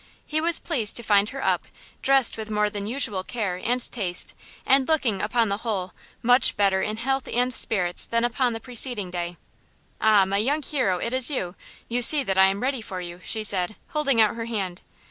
He was pleased to find her up, dressed with more than usual care and taste and looking, upon the whole, much better in health and spirits than upon the preceding day. "Ah, my young hero, it is you; you see that I am ready for you," she said, holding out her hand.